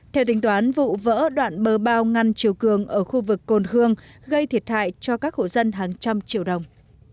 theo tính toán vụ vỡ đoạn bờ bao ngăn chiều cường ở khu vực cồn khương gây thiệt hại cho các hộ dân hàng trăm triệu đồng